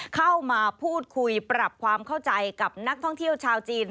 เข้ามาพูดคุยปรับความเข้าใจกับนักท่องเที่ยวชาวจีน